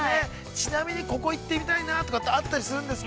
ちなみに、ここ行ってみたいなとかってあったりするんですか？